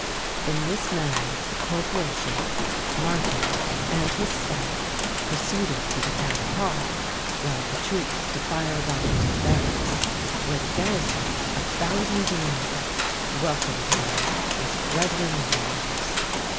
In this manner the corporation, Markham, and his staff, proceeded to the Town Hall, while the troops defiled off to the barracks, where the garrison—a thousand in number—welcomed them as brethren in arms.